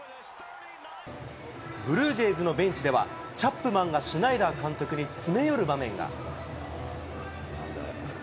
ブルージェイズのベンチではチャップマンがシュナイダー監督に詰め寄る場面が。